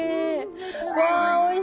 うわおいしそう。